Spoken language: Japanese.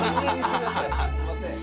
すいません。